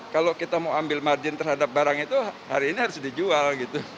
kalau kita mau ambil margin terhadap barang itu hari ini harus dijual gitu